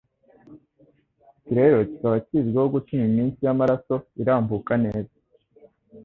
iki rero kikaba kizwiho gutuma imitsi y'amaraso irambuka neza,